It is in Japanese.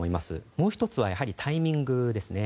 もう１つはやはりタイミングですね。